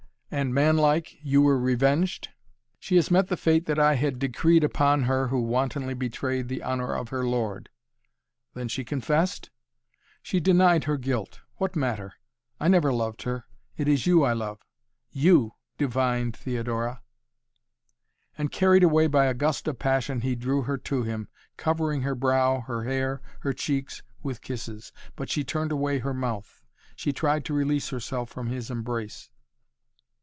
"And, man like, you were revenged?" "She has met the fate I had decreed upon her who wantonly betrayed the honor of her lord." "Then she confessed?" "She denied her guilt. What matter? I never loved her. It is you I love! You, divine Theodora." And, carried away by a gust of passion, he drew her to him, covering her brow, her hair, her cheeks with kisses. But she turned away her mouth. She tried to release herself from his embrace.